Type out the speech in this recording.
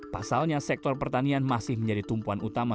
pasalnya sektor pertanian masih menjadi tumpuan utama